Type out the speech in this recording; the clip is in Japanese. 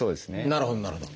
なるほどなるほど。